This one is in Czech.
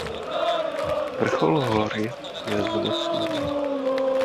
Vrchol hory je zalesněn.